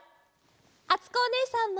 あつこおねえさんも！